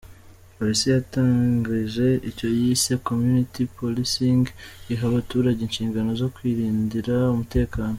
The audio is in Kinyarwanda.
Polisi yatangije icyo yise “Community Policing” iha abaturage inshingano zo kwirindira umutekano.